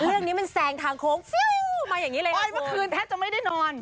เรื่องนี้มันแซงทางโค้งฟิวมาอย่างนี้เลยนะใช่เมื่อคืนแทบจะไม่ได้นอน